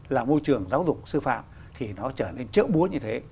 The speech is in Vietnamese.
là môi trường giáo dục sư phạm thì nó trở nên chợ búa như thế